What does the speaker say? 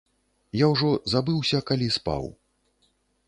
Я ўжо забыўся, калі спаў.